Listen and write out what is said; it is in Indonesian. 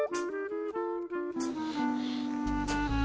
rafiq kena pun jijik di daun